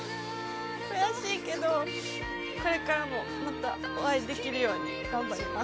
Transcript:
悔しいけど、これからもまたお会いできるように頑張ります。